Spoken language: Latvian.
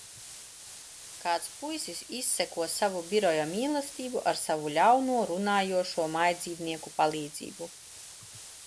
Kāds puisis izseko savu biroja mīlestību ar savu ļauno runājošo mājdzīvnieku palīdzību.